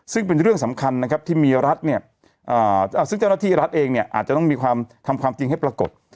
ซึ่งเป็นเรื่องสำคัญที่เจ้าหน้าที่รัฐเองอาจจะต้องทำความจริงให้ปรากฏ